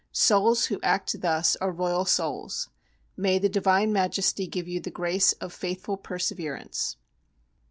Souls who act thus are royal souls. May the divine Majesty give you the grace of faithful perseverance.